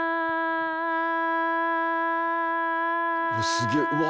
すげぇうわ